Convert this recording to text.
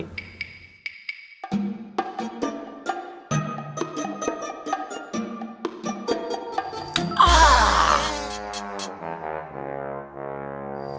tidak yaudah yaudah yaudah